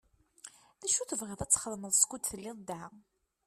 D acu i tebɣiḍ ad txedmeḍ skud telliḍ da?